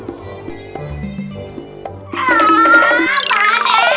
aduh panas banget